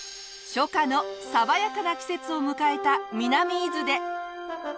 初夏の爽やかな季節を迎えた南伊豆で。